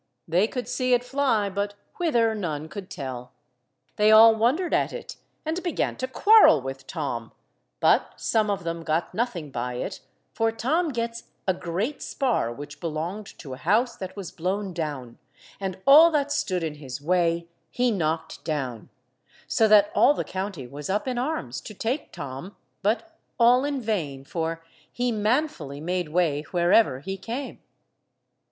They could see it fly, but whither none could tell. They all wondered at it, and began to quarrel with Tom, but some of them got nothing by it, for Tom gets a great spar which belonged to a house that was blown down, and all that stood in his way he knocked down, so that all the county was up in arms to take Tom, but all in vain, for he manfully made way wherever he came.